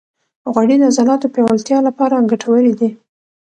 غوړې د عضلاتو پیاوړتیا لپاره ګټورې دي.